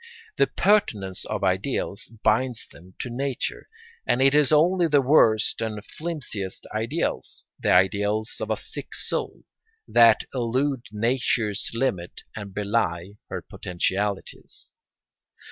The pertinence of ideals binds them to nature, and it is only the worst and flimsiest ideals, the ideals of a sick soul, that elude nature's limits and belie her potentialities.